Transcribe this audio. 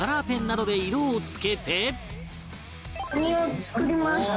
カニを作りました。